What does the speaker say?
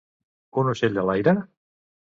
Un ocell de l'aire?